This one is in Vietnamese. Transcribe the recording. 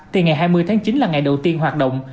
thì ngày hai mươi tháng chín là ngày đầu tiên hoạt động